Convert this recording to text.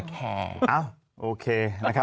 หรืออ้าวโอเคนะครับ